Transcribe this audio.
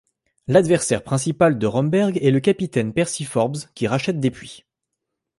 L'adversaire principal de Romberg est le capitaine Percy Forbes, qui rachète des puits.